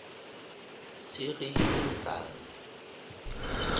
Ssiɣ-iyi-d amezɛaḍ.